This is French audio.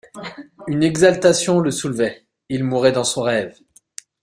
Une exaltation le soulevait, il mourait dans son rêve.